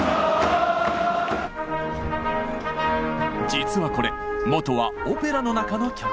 実はこれ元はオペラの中の曲。